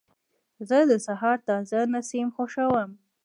زه د سهار تازه نسیم خوښوم.